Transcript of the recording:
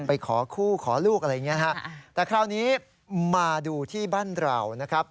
ไปขอคู่ขอลูกอะไรอย่างนี้นะฮะแต่คราวนี้มาดูที่บ้านเรานะครับ